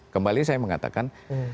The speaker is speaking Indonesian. kembali saya mengatakan